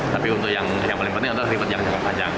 tapi untuk yang paling penting adalah ribet yang jangka panjang